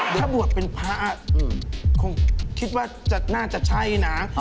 ถ้าบวชเป็นพระคงคิดว่าน่าจะใช่นะ